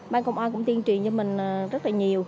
ban công an cũng tiên truyền cho mình rất là nhiều